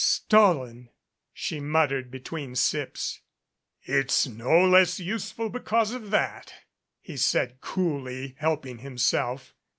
"Stolen," she muttered between sips. "It's no less useful because of that," he said, coolly helping himself.